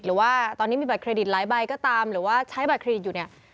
หรือว่าตอนนี้มีบัตรเครดิตหลายใบก็ตามหรือว่าใช้บัตรเครดิตอยู่เนี่ย